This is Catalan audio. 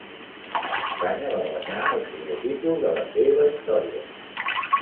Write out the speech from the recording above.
Espanya va guanyar el primer títol de la seva història.